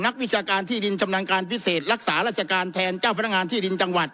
วิชาการที่ดินชำนาญการพิเศษรักษาราชการแทนเจ้าพนักงานที่ดินจังหวัด